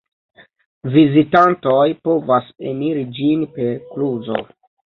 Vizitantoj povas eniri ĝin per kluzo.